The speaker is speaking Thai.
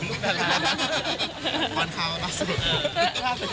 ลูกน้ำล้าน